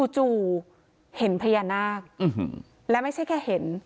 จู่เห็นพญานาคและไม่ใช่แค่เห็น